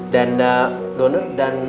dan donor dan